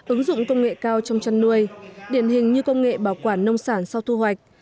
ứng dụng công nghệ cao trong chăn nuôi điển hình như công nghệ bảo quản nông sản sau thu hoạch